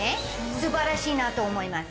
素晴らしいなと思います。